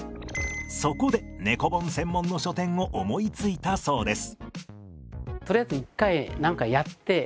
そこで猫本専門の書店を思いついたそうです。